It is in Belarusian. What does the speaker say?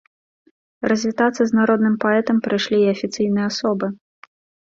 Развітацца з народным паэтам прыйшлі і афіцыйныя асобы.